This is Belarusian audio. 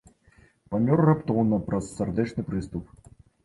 Памёр раптоўна праз сардэчны прыступ.